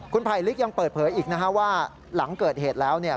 คุณไผลลิกยังเปิดเผยอีกนะฮะว่าหลังเกิดเหตุแล้วเนี่ย